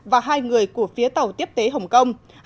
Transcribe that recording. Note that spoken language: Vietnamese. và hai người của phía tàu tiếp tế hồng kông